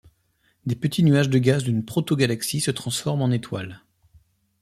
Des petits nuages de gaz d'une protogalaxie se transforment en étoile.